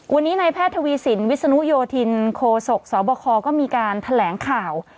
วันนี้ในแพทย์ทวีสินวิศนุโยธินโคศกสบคก็มีการแถลงข่าว